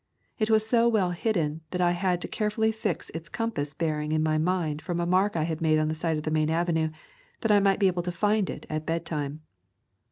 It was so well hidden that I had to carefully fix its compass bearing in my mind from a mark I made on the side of the main avenue, that I might be able to find it at bedtime.